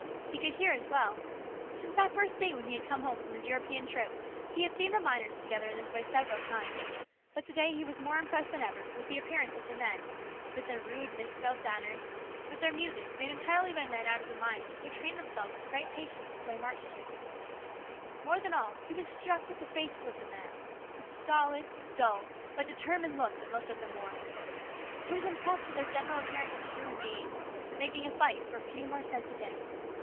He could hear as well. Since that first day when he had come home from his European trip he had seen the miners together in this way several times, but to day he was impressed more than ever with the appearance of the LARGE RESPONSIBILITIES. 53 men, with their rude misspelled banners, with their music made entirely by men out of the mines who had trained themselves with great patience to play march tunes ; more than all, he was struck with the faces of the men, the stolid, dull, but determined look that most of them wore ; he was impressed with their general appearance as human beings making a fight for a few more cents a day.